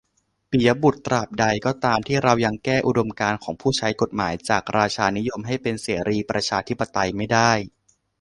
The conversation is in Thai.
ปิยะบุตร : ตราบใดก็ตามที่เรายังแก้อุดมการณ์ของผู้ใช้กฎหมาย จากราชานิยม ให้เป็นเสรีประชาธิปไตยไม่ได้